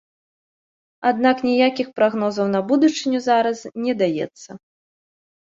Аднак ніякіх прагнозаў на будучыню зараз не даецца.